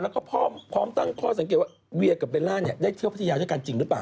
แล้วก็พร้อมตั้งข้อสังเกตว่าเวียกับเบลล่าได้เที่ยวพัทยาด้วยกันจริงหรือเปล่า